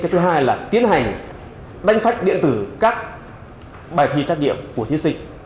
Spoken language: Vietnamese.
cái thứ hai là tiến hành đánh phách điện tử các bài thi trách nhiệm của thiết sinh